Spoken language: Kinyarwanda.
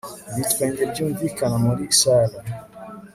ibitwenge byumvikana muri salle